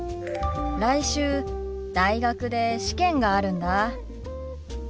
来週大学で試験があるんだ。